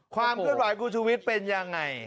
ความเครื่องด่ายคุณชูวิสเป็นยังไร